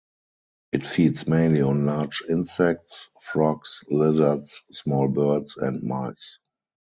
It feeds mainly on large insects, frogs, lizards, small birds, and mice.